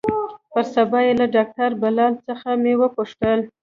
پر سبا يې له ډاکتر بلال څخه مې وپوښتل.